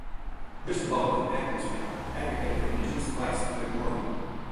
Cristobal was an activist who advocated for indigenous rights of the Chamorro people.